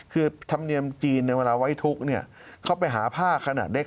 คือธรรมเนียมจีนในเวลาไว้ทุกข์เขาไปหาผ้าขนาดเล็ก